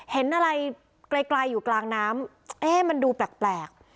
เห็นอะไรไกลอยู่กลางน้ำเอ๊ะมันดูแปลก